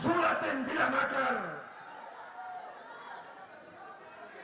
sulatin tidak makan